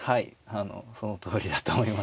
あのそのとおりだと思います。